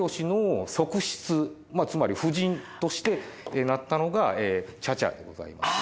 つまり夫人としてなったのが茶々でございます。